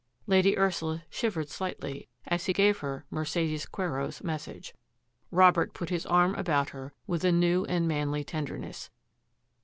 Lady Ursula shivered slightly as he gave her Mercedes Quero's message. Robert put his arm about her with a new and manly tenderness.